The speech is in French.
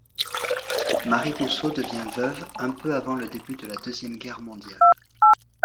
Marie Rousseau devient veuve un peu avant le début de la Deuxième Guerre mondiale.